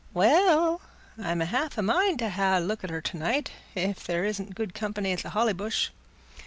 "Well, I'm half a mind t' ha' a look at her to night, if there isn't good company at th' Holly Bush.